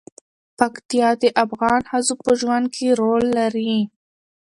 پکتیکا د افغان ښځو په ژوند کې رول لري.